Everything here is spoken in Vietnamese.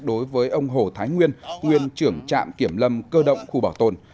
đối với ông hồ thái nguyên nguyên trưởng trạm kiểm lâm cơ động khu bảo tồn